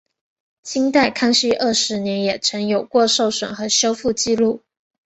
清代康熙二十年也曾有过受损和修复纪录。